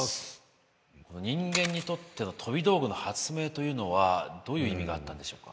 人間にとっての飛び道具の発明というのはどういう意味があったんでしょうか？